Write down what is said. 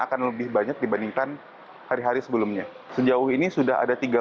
akan lebih banyak dibandingkan hari hari sebelumnya sejauh ini sudah ada tiga